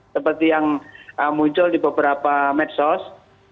seperti yang muncul di beberapa medsos